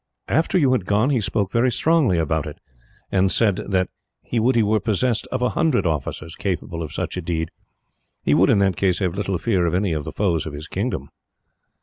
After you had gone he spoke very strongly about it, and said that he would he were possessed of a hundred officers, capable of such a deed. He would, in that case, have little fear of any of the foes of his kingdom.